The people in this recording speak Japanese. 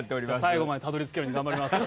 最後までたどり着けるように頑張ります。